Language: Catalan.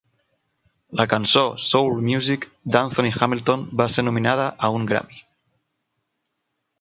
La cançó "Soul Music" d'Anthony Hamilton va ser nominada a un Grammy.